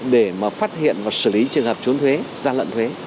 để mà phát hiện và xử lý trường hợp trốn thuế gian lận thuế